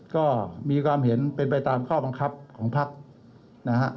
ก็มีความเห็นเป็นไปตามข้อบังคับของภักดิ์นะฮะ